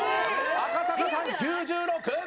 赤坂さん９６。